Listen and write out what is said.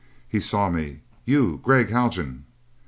He saw me. "You, Gregg Haljan!"